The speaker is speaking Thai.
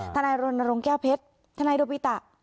ธนายโรนโรงแก้วเพชรธนายโดบิตะ